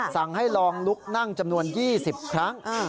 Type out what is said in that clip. สั่งให้ลองลุกนั่งจำนวน๒๐ครั้ง